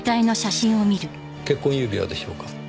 結婚指輪でしょうか？